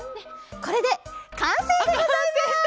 これでかんせいでございます！